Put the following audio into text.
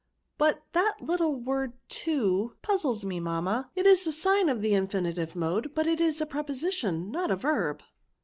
But that little word to puzzles me, mamma; it is a sign of the infinitive mode, but it is a preposition, not a verb."